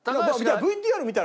ＶＴＲ見たら。